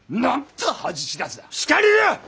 しかりだ。